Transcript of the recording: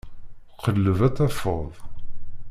Qelleb ad tafeḍ.